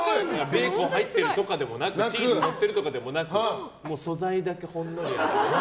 ベーコン入ってるとかでもなくチーズがのってるとかでもなく素材だけほんのりのやつ。